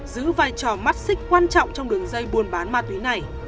giữ vai trò mắt xích quan trọng trong đường dây buôn bán ma túy này